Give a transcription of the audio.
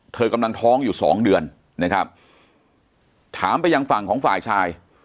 เธอกำลังท้องอยู่สองเดือนนะครับถามไปยังฝั่งของฝ่ายชาย